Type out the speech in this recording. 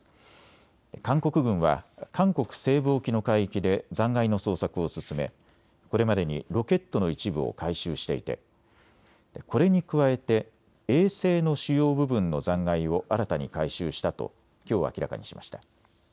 韓国軍は韓国西部沖の海域で残骸の捜索を進めこれまでにロケットの一部を回収していてこれに加えて衛星の主要部分の残骸を新たに回収したときょう、明らかにしました。